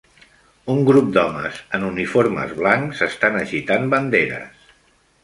Un grup d'homes en uniformes blancs estan agitant banderes.